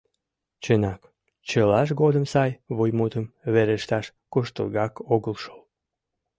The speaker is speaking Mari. Чынак, чылаж годым сай вуймутым верешташ куштылгак огыл шол.